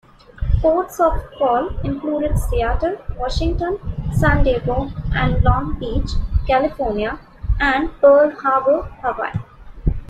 Ports-of-call included Seattle, Washington; San Diego and Long Beach, California; and Pearl Harbor, Hawaii.